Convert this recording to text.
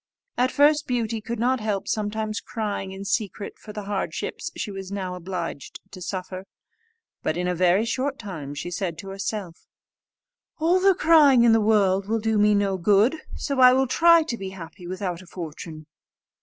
At first Beauty could not help sometimes crying in secret for the hardships she was now obliged to suffer; but in a very short time she said to herself, "All the crying in the world will do me no good, so I will try to be happy without a fortune."